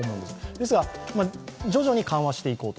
ですが、徐々に緩和していこうと。